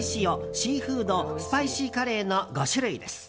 シーフード、スパイシーカレーの５種類です。